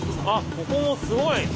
あここもすごい！